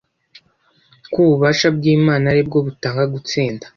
ko ububasha bwImana ari bwo butanga gutsinda